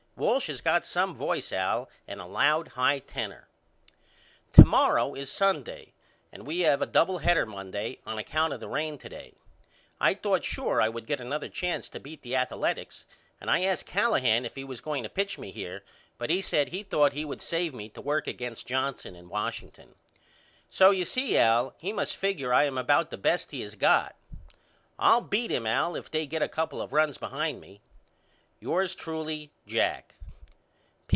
Walsh has got some voice Al a loud high tenor. To morrow is Sunday and we have a double header Monday on account of the rain to day. I thought sure I would get another chance to beat the Athaletics and I asked Callahan if he was going to pitch me here but he said he thought he would save me to work against Johnson in Washington. So you see Al he must figure I am about the best he has got. I'll beat him Al if they get a couple of runs behind me. Yours truly, JACK.